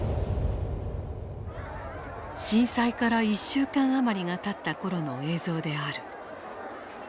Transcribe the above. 震災から１週間余りがたった頃の映像である。